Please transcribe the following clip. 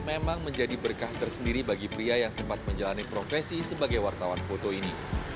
memang menjadi berkah tersendiri bagi pria yang sempat menjalani profesi sebagai wartawan foto ini